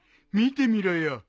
見てみろよ。